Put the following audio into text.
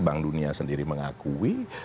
bank dunia sendiri mengakui